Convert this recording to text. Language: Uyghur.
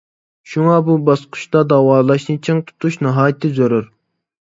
شۇڭا بۇ باسقۇچتا داۋالاشنى چىڭ تۇتۇش ناھايىتى زۆرۈر.